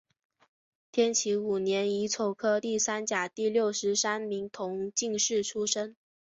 天启五年乙丑科第三甲第六十三名同进士出身。